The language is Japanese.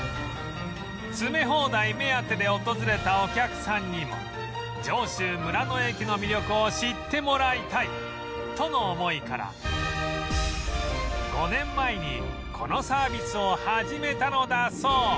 詰め放題目当てで訪れたお客さんにも上州・村の駅の魅力を知ってもらいたいとの思いから５年前にこのサービスを始めたのだそう